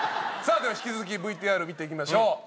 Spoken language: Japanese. では引き続きＶＴＲ見ていきましょう。